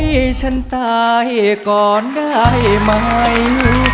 ให้ฉันตายก่อนได้ไหม